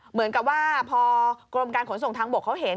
เหมือนกับว่าพอกรมการขนส่งทางบกเขาเห็น